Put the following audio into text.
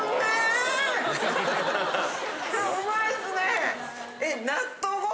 うまいっすね。